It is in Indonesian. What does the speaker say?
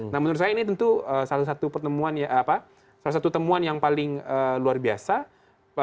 nah menurut saya ini tentu salah satu temuan yang paling luar biasa